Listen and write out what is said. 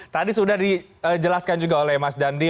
tadi sudah dijelaskan juga oleh mas dandi